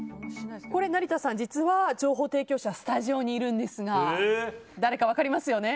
これ、成田さん実は情報提供者がスタジオにいるんですが誰か分かりますよね？